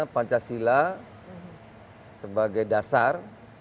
pancasila sebagai dasar